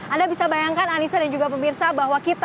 anda bisa bayangkan anissa dan juga pemirsa bahwa kita ini warga jakarta